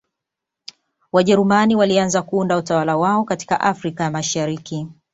Wajerumani walianza kuunda utawala wao katika Afrika ya Mashariki